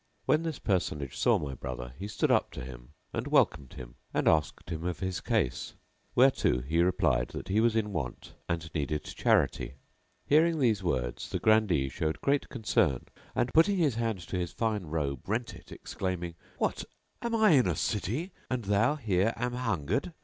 When this personage saw my brother he stood up to him and welcomed him and asked him of his case; whereto he replied that he was in want and needed charity. Hearing these words the grandee showed great concern and, putting his hand to his fine robe, rent it exclaiming, "What! am I in a City, and thou here an hungered?